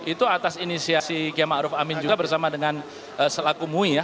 itu atas inisiasi kiai ma'ruf amin juga bersama dengan selaku mui ya